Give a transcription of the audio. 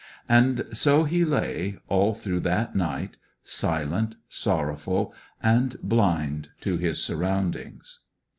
And so he lay, all through that night, silent, sorrowful, and blind to his surroundings.